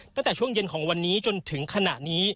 ตั้งแต่ช่วงเย็นของวันนี้จนถึงขณะนี้